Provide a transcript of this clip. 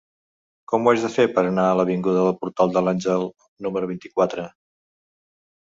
Com ho faig per anar a l'avinguda del Portal de l'Àngel número vint-i-quatre?